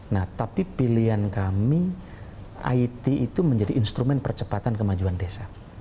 nah tapi pilihan kami it itu menjadi instrumen percepatan kemajuan desa